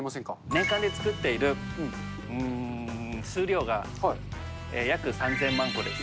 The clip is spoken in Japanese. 年間で作っている数量が約３０００万個です。